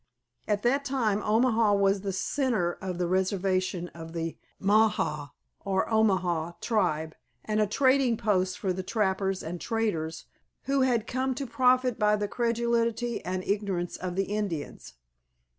At that time Omaha was the centre of the reservation of the Maha, or Omaha, tribe, and a trading post for the trappers and traders who had come to profit by the credulity and ignorance of the Indians.